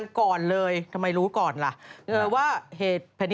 สนับสนุนโดยดีที่สุดคือการให้ไม่สิ้นสุด